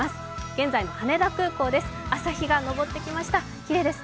現在の羽田空港です。